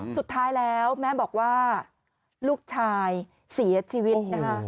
สุดท้ายแล้วแม่บอกว่าลูกชายเสียชีวิตนะคะ